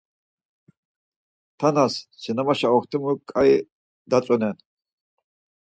Tanas, sinemaşe oxtimu ǩai datzonen.